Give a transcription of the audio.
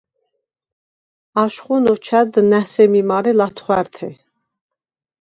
აშხუნ ოჩვა̈დდ ნა̈ სემი მარე ლა̈თხვართე.